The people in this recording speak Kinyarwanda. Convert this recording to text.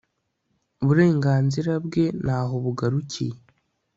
burenganzira bwe n aho bugarukiye